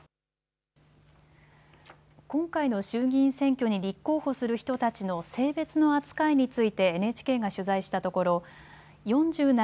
今回の衆議院選挙に立候補する人たちの性別の扱いについてＮＨＫが取材したところ４７